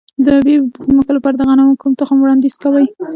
د ابي ځمکو لپاره د غنمو کوم تخم وړاندیز کوئ؟